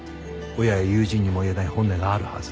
親や友人にも言えない本音があるはず。